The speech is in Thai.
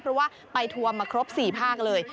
เพราะว่าไปทัวร์มาครบ๔ภาคเลย